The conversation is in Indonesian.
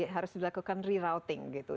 harus dilakukan rerouting gitu